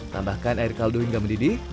tambahkan air kaldu hingga mendidih